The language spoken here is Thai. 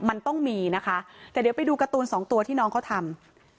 มันต้องมีนะคะแต่เดี๋ยวไปดูการ์ตูนสองตัวที่น้องเขาทำ